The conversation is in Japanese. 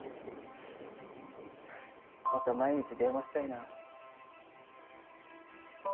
また毎日電話したいな。